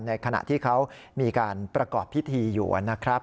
ขณะที่เขามีการประกอบพิธีอยู่นะครับ